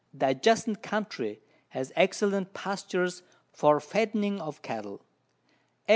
The adjacent Country has excellent Pastures for fattening of Cattle. 8.